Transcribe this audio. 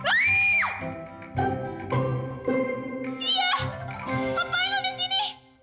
apaan lu disini